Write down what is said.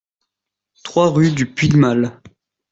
trois rue du Puigmal